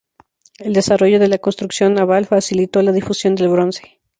El desarrollo de la construcción naval facilitó la difusión del bronce.